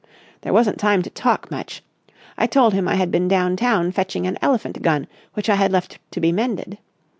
There wasn't time to talk much. I told him I had been down town fetching an elephant gun which I had left to be mended.